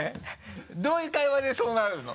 どういう会話でそうなるの？